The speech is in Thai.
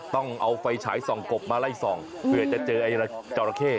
ต้องเอาไฟฉายส่องกบมาไล่ส่องเผื่อจะเจอไอ้จราเข้